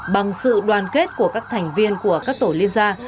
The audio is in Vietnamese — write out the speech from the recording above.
bằng sự đoàn kết của các thành viên của các tổ liên gia